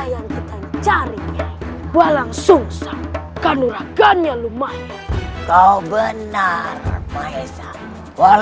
kau tidak ada waktu untuk meladenimu bocah kecil